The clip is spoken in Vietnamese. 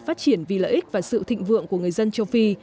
phát triển vì lợi ích và sự thịnh vượng của người dân châu phi